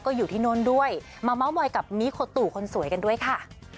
ก็อยู่ที่โน้นด้วยมาเมาส์มอยกับมิโคตุคนสวยกันด้วยค่ะ